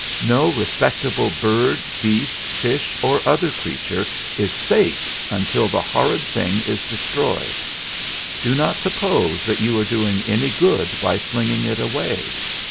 No respectable bird, beast, fish, or other creature is safe until the horrid thing is destroyed. Do not suppose that you are doing any good by flinging it away.